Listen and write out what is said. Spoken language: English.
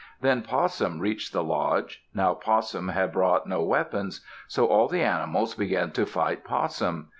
Then Possum reached the lodge. Now Possum had brought no weapons. So all the animals began to fight Possum.